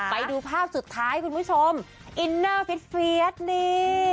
ไปดูภาพสุดท้ายคุณผู้ชมอินเนอร์เฟียสนี่